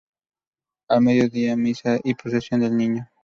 Al medio día, misa y procesión del Niño.